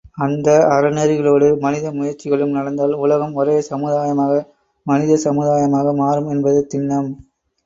அந்த அறநெறிகளோடு மனித முயற்சிகளும் நடந்தால் உலகம் ஒரே சமுதாயமாக, மனித சமுதாயமாக மாறும் என்பது திண்ணம்!